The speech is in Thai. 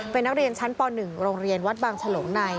เป็นนักเรียนชั้นป๑โรงเรียนวัดบางฉลงใน